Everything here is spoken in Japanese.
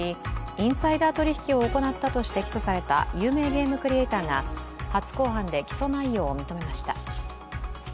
インサイダー取引を行ったとして起訴された有名ゲームクリエイターが初公判で起訴内容を認めました。